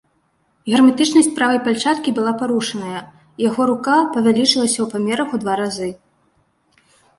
Герметычнасць правай пальчаткі была парушаная, і яго рука павялічылася ў памерах у два разы.